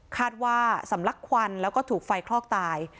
ว่าสำลักควันแล้วก็ถูกไฟคลอกตาย